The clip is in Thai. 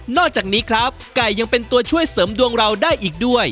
อกจากนี้ครับไก่ยังเป็นตัวช่วยเสริมดวงเราได้อีกด้วย